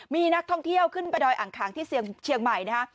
มีนักท่องเที่ยวขึ้นไปดอยอ่างขางที่เชียงใหม่นะฮะ